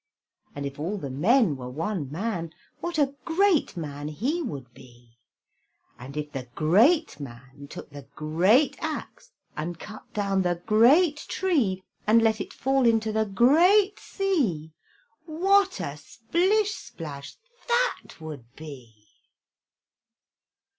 And if all the men were one man, What a great man he would be! And if the great man took the great axe, And cut down the great tree, And let it fall into the great sea, What a splish splash that would be!